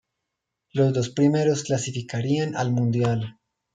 Los dos primeros clasificarían al Mundial.